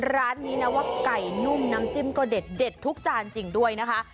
ร้านนี้นะว่าไก่นุ่มน้ำจิ้มก็เด็ดทุกจานจริงด้วยนะคะ